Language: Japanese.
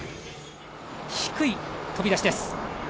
低い飛び出しです。